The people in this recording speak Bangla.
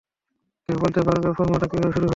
কেউ বলতে পারবে ফরমুলাটা কীভাবে শুরু হয়?